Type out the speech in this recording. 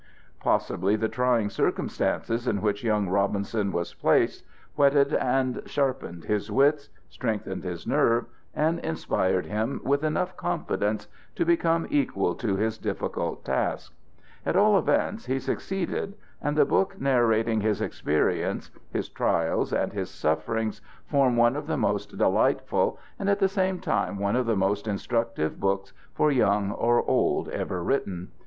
Possibly the trying circumstances in which young Robinson was placed whetted and sharpened his wits, strengthened his nerve, and inspired him with enough confidence to become equal to his difficult task; at all events, he succeeded, and the book narrating his experience, his trials, and his sufferings forms one of the most delightful and at the same time one of the most instructive books for young and old ever written.